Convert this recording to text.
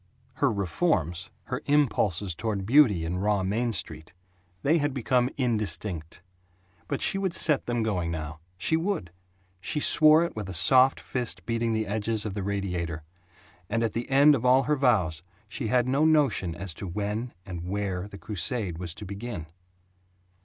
Her "reforms," her impulses toward beauty in raw Main Street, they had become indistinct. But she would set them going now. She would! She swore it with soft fist beating the edges of the radiator. And at the end of all her vows she had no notion as to when and where the crusade was to begin.